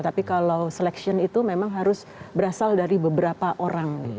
tapi kalau selection itu memang harus berasal dari beberapa orang